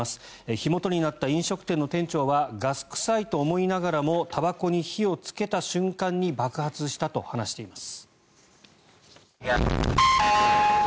火元になった飲食店の店長はガス臭いと思いながらもたばこに火をつけた瞬間に爆発したと話しています。